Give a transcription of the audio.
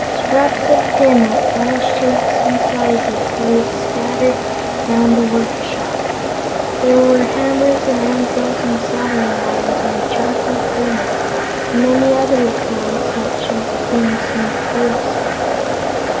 Scraps of tin, of all shapes and sizes, lay scattered around the workshop. Also there were hammers and anvils and soldering irons and a charcoal furnace and many other tools such as a tinsmith works with.